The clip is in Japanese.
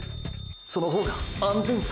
その方が安全策？